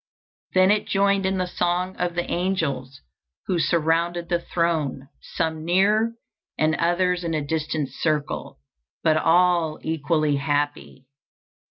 Then it joined in the song of the angels, who surrounded the throne, some near, and others in a distant circle, but all equally happy.